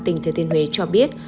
tỉnh thừa thiên huế cho biết